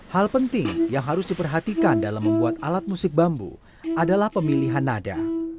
hal penting yang harus diperhatikan dalam membuat alat musik bambu adalah pemilihan nada